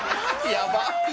やばっ！